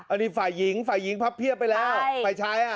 อันนี้ฝ่ายหญิงฝ่ายหญิงพับเพียบไปแล้วฝ่ายชายอ่ะ